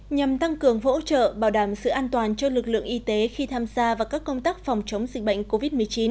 nhằm tăng cường vỗ trợ bảo đảm sự an toàn cho lực lượng y tế khi tham gia vào các công tác phòng chống dịch bệnh covid một mươi chín